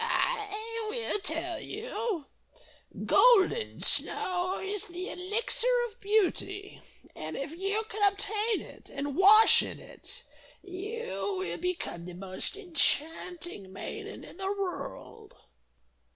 "I will tell you! Golden Snow is the Elixir of Beauty, and if you can obtain it, and wash in it, you will become the most enchanting maiden in the world."